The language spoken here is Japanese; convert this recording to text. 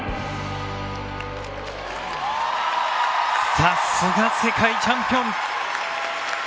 さすが世界チャンピオン。